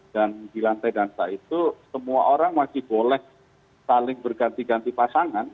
dan di lantai dansa itu semua orang masih boleh saling berganti ganti pasangan